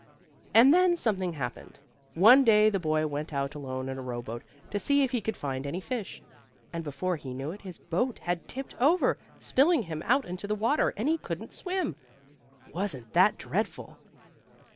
And then something happened. One day the boy went out alone in a rowboat to see if he could find any fish. And before he knew it his boat had tipped over, spilling him out into the water, and he couldn't swim. Wasn't that dreadful?